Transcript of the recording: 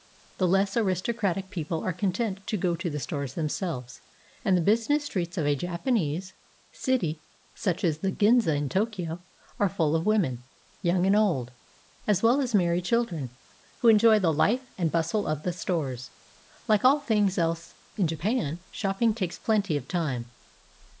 The less aristocratic people are content to go to the stores themselves; and the business streets of a Japanese city, such as the Ginza in Tokyo, are full of women, young and old, as well as merry children, who enjoy the fife and bustle of the stores. Like all things else in Japan, shop ping takes plenty of time.